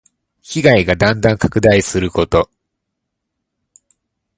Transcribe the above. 被害がだんだん拡大すること。